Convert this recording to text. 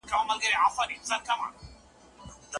لښتې په خپل زړه کې د خپلواکۍ یو پټ ارمان درلود.